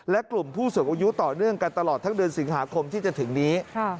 และกลุ่มผู้สูงอายุต่อเนื่องกันตลอดทั้งเดือนสิงหาคมที่จะถึงนี้